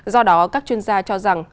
do đó các chuyên gia cho rằng